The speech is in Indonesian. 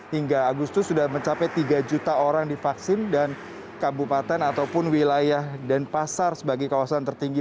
hingga agustus sudah mencapai tiga juta orang divaksin dan kabupaten ataupun wilayah denpasar sebagai kawasan tertinggi